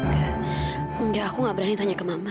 tidak aku tidak berani tanya ke mama